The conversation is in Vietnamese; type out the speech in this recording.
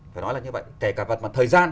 phải nói là như vậy kể cả vật vật thời gian